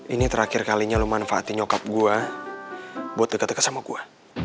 ini terakhir kalinya lo manfaatin nyokap gue buat deket deket sama gue